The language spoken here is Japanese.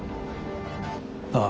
ああ。